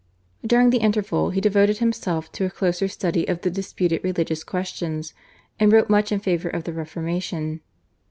During the interval he devoted himself to a closer study of the disputed religious questions, and wrote much in favour of the Reformation.